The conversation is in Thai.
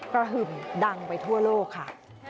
หึ่มดังไปทั่วโลกค่ะ